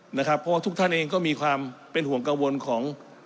เพราะว่าทุกท่านเองก็มีความเป็นห่วงกังวลของ